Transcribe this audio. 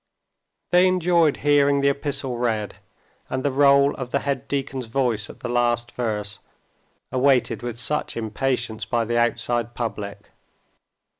They enjoyed hearing the epistle read, and the roll of the head deacon's voice at the last verse, awaited with such impatience by the outside public.